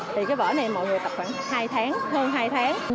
thì cái vở này mọi người tập khoảng hai tháng hơn hai tháng